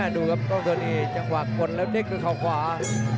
ดูครับต้องเท้านี่จังหวะขนแล้วนี่คือข่าวขวา